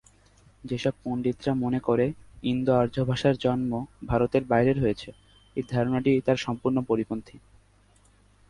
যেসব পণ্ডিতরা মনে করে ইন্দো- আর্য ভাষার জন্ম ভারতের বাইরের হয়েছে, এই ধারণাটি তার সম্পূর্ণ পরিপন্থী।